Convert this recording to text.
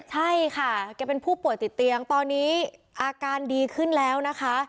ใช่ค่ะแกเป็นผู้ป่วยติดเตียงตอนนี้อาการดีขึ้นแล้วนะคะ